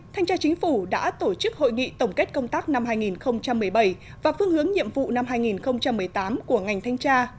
thanh tra chính phủ đã tổ chức hội nghị tổng kết công tác năm hai nghìn một mươi bảy và phương hướng nhiệm vụ năm hai nghìn một mươi tám của ngành thanh tra